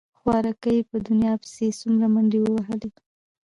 خواركى په دنيا پسې يې څومره منډې ووهلې.